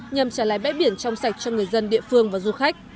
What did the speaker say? nhằm trả lại bãi biển trong sạch cho người dân địa phương và du khách